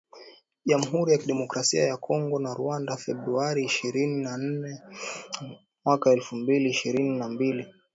jamhuri ya kidemokrasia ya Kongo na Rwanda, Februari ishirini na nane mwaka elfu mbili ishirini na mbili